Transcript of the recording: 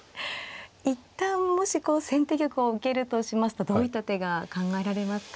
一旦もし先手玉を受けるとしますとどういった手が考えられますか。